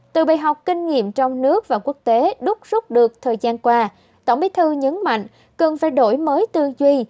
từ bài học kinh nghiệm trong nước và quốc tế đúc rút được thời gian qua tổng bí thư nhấn mạnh cần phải đổi mới tư duy